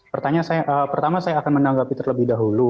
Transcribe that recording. pertanyaan saya pertama saya akan menanggapi terlebih dahulu